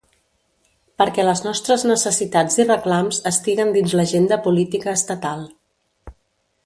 Perquè les nostres necessitats i reclams estiguen dins l’agenda política estatal.